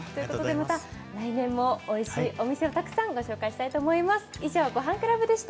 また来年もおいしいお店をたくさん御紹介したいと思います。